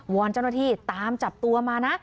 อนเจ้าหน้าที่ตามจับตัวมานะ